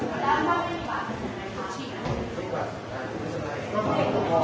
กลับเข้าไปดีกว่า